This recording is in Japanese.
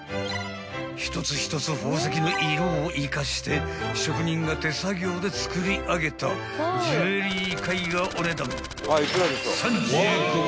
［一つ一つ宝石の色を生かして職人が手作業で作りあげたジュエリー絵画お値段］